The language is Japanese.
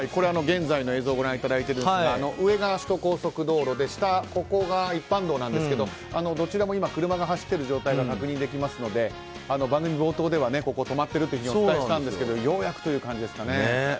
現在の映像をご覧いただいているんですが上が首都高速道路で下が一般道なんですけどどちらも車が走っている状態が確認できますので番組冒頭ではここが止まっているとお伝えしたんですがようやくという感じですかね。